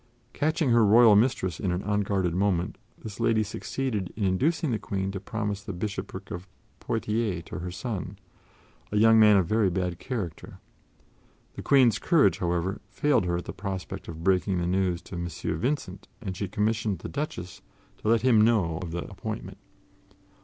Catching her royal mistress in an unguarded moment, this lady succeeded in inducing the Queen to promise the bishopric of Poitiers to her son, a young man of very bad character. The Queen's courage, however, failed her at the prospect of breaking the news to M. Vincent, and she commissioned the Duchess to let him know of the appointment.